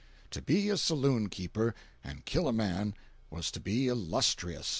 To be a saloon keeper and kill a man was to be illustrious.